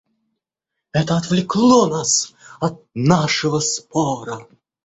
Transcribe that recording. Это отвлекло нас от нашего спора.